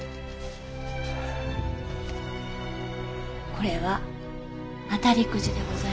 これは当たりくじでございますよ。